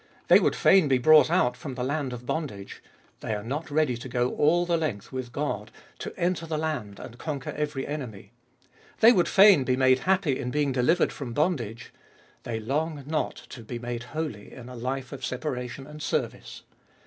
They would fain be brought out from the land of bondage ; they are not ready to go all the length with God, to Gbe Tboliest of 2111 ui enter the land and conquer every enemy, i hey would fain be made happy in being delivered from bondage ; they long not to be made holy in a life of separation and service.